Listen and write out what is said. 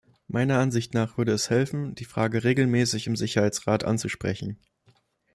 Meiner Ansicht nach würde es helfen, die Frage regelmäßig im Sicherheitsrat anzusprechen.